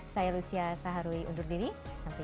saya lucia saharwi undur diri sampai jumpa